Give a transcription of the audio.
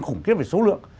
khủng khiếp về số lượng